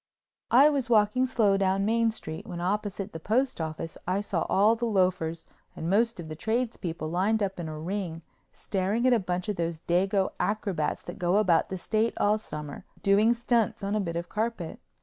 I was walking slow down Main Street when opposite the postoffice I saw all the loafers and most of the tradespeople lined up in a ring staring at a bunch of those dago acrobats that go about the State all summer doing stunts on a bit of carpet.